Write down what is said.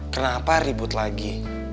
kenapa ribut lagi